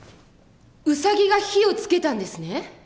ウサギが火をつけたんですね？